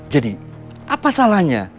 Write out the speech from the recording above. jadi apa salahnya